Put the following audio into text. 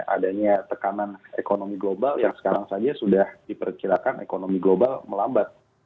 adanya tekanan ekonomi global yang sekarang saja sudah diperkirakan ekonomi global melambat